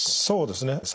そうですね。